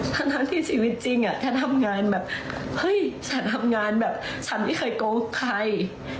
ทั้งที่ชีวิตจริงแค่ทำงานแบบเฮ้ยฉันทำงานแบบฉันไม่เคยโกงใคร